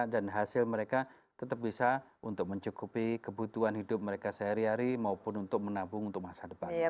dan hasil mereka tetap bisa untuk mencukupi kebutuhan hidup mereka sehari hari maupun untuk menabung untuk masa depan